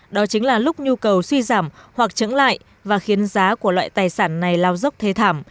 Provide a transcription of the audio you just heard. đó chính là lúc nhu cầu suy giảm hoặc trứng lại và khiến giá của loại tài sản này lao dốc thế thảm